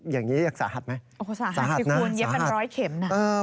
อย่างนี้สาหัสไหมสาหัสน่ะสาหัสน่ะสาหัสน่ะคุณเย็บกันร้อยเข็มนะ